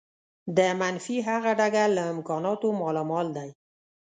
د منفي هغه ډګر له امکاناتو مالامال دی.